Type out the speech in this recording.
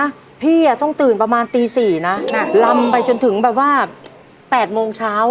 พี่อ่ะต้องตื่นประมาณตี๔นะลำไปจนถึงแบบว่า๘โมงเช้า